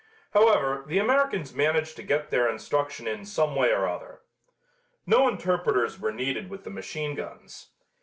However, the Americans managed to get their instruction in some way or other. No interpreters were needed with the machine guns.